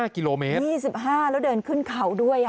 ๒๕กิโลเมตร๒๕กิโลเมตรแล้วเดินขึ้นเขาด้วย